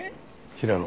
平野。